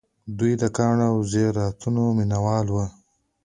دوی د ګاڼو او زیوراتو مینه وال وو